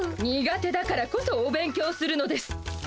苦手だからこそお勉強するのです。